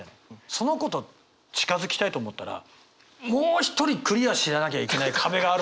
その子と近づきたいと思ったらもう一人クリアしなきゃいけない壁があるわけよ！